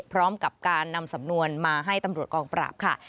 พร้อมกับการนำสำนวนมาให้ตำรวจกองปราบค่ะ